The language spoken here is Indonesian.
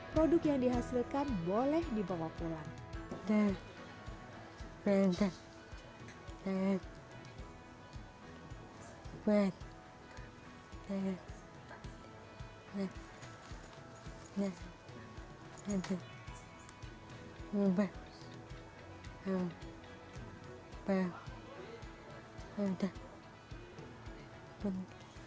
produk yang dihasilkan boleh dibawa pulang